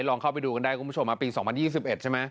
ลองเข้าไปดูกันได้คุณผู้ชมปี๒๐๒๑ใช่ไหม